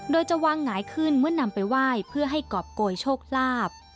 โดยจะวางหงายขึ้นเมื่อนำไปไหว้เพื่อให้กรอบโกยโชคลาภ